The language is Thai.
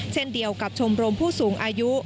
เช่นเดียวกับชมรมผู้สูงอายุ